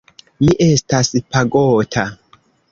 Mi estas pagota.